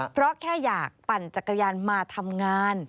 เพราะแค่อยากปั่นจักรยานมาทำงาน